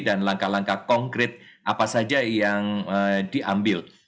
dan langkah langkah konkret apa saja yang diambil